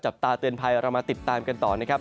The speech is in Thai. จับตาเตือนภัยเรามาติดตามกันต่อนะครับ